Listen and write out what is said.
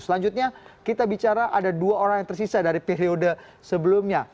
selanjutnya kita bicara ada dua orang yang tersisa dari periode sebelumnya